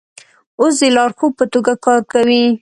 اوس د لارښود په توګه کار کوي.